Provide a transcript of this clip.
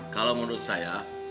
kalau menurut saya